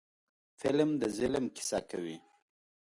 فلم د ظلم کیسه کوي